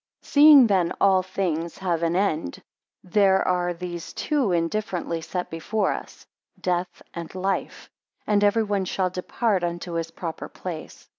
SEEING then all things have an end, there are these two indifferently set before us, death and life: and everyone shall depart unto his proper place.